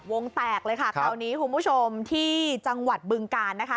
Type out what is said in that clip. วงแตกเลยค่ะคราวนี้คุณผู้ชมที่จังหวัดบึงการนะคะ